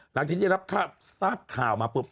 หลังที่นี่นะครับถ้าศาสตร์ข่าวมาปุ๊บ